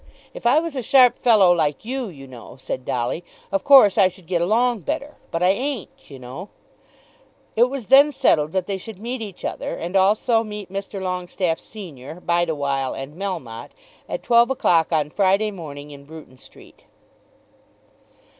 "If I was a sharp fellow like you, you know," said Dolly, "of course I should get along better; but I ain't, you know." It was then settled that they should meet each other, and also meet Mr. Longestaffe senior, Bideawhile, and Melmotte, at twelve o'clock on Friday morning in Bruton Street.